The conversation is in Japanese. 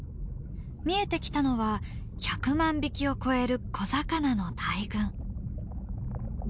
見えてきたのは１００万匹を超える小魚の大群。